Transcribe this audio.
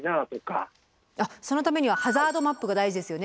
そのためにはハザードマップが大事ですよね。